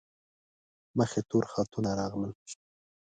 مخ یې تور خطونه راغلل.